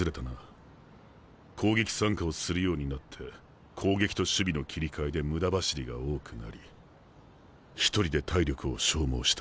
攻撃参加をするようになって攻撃と守備の切り替えで無駄走りが多くなり一人で体力を消耗した。